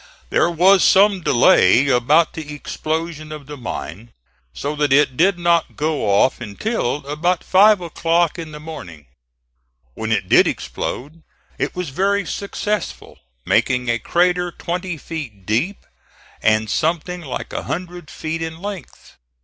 There was some delay about the explosion of the mine so that it did not go off until about five o'clock in the morning. When it did explode it was very successful, making a crater twenty feet deep and something like a hundred feet in length.